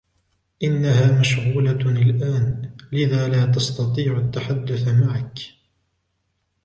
إنها مشغولة الآن, لذا لا تستطيع التحدث معك.